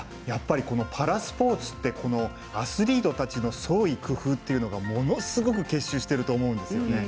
パラスポーツってアスリートたちの創意工夫っていうのがものすごく結集していると思うんですよね。